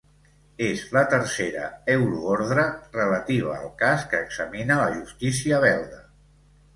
És la tercera euroordre relativa al cas que examina la justícia belga.